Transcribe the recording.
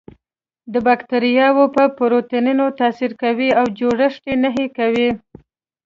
د باکتریاوو په پروتینونو تاثیر کوي او جوړښت یې نهي کوي.